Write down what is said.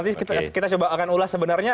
nanti kita coba akan ulas sebenarnya